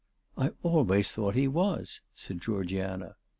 "I always thought he was," said Georgiana.